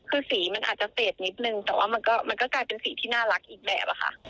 คือสีมันอาจจะเศษนิดนึงแต่ว่ามันก็กลายเป็นสีที่น่ารักอีกแบบค่ะ